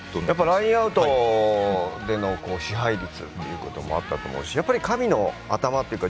ラインアウトでの支配率ということもあったと思いますしやっぱり神の頭というか。